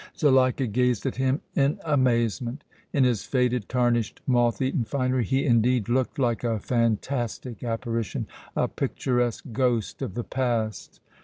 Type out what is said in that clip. Zuleika gazed at him in amazement. In his faded, tarnished, moth eaten finery he, indeed, looked like a fantastic apparition, a picturesque ghost of the past.